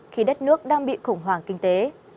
khi đất nước đang bị khủng hoảng kinh tế